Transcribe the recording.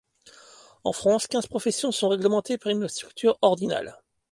En France, quinze professions sont réglementées par une structure ordinale.